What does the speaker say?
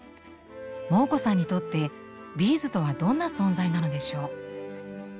モー子さんにとってビーズとはどんな存在なのでしょう？